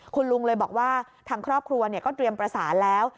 คุณลุงเลยบอกว่าทางครอบครัวก็เตรียมประสานแล้ว